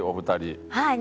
はい。